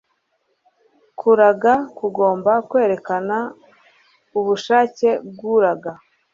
kuraga kugomba kwerekana ubushake bw'uraga